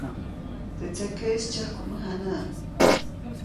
Teʼ tsekeʼis tsyäjku mäjanäʼ.